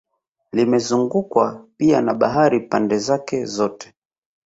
Limezungukwa pia na bahari pande zake zote